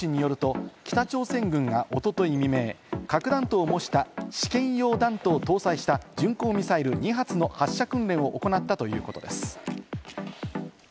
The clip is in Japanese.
国営の朝鮮中央通信によると、北朝鮮軍がおととい未明、核弾頭を模した試験用弾頭を搭載した巡航ミサイル２発の発射訓練を行ったということです。